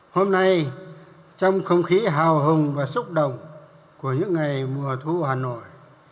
hôm nay trong không khí hào hùng và xúc động của những ngày mùa thu hà nội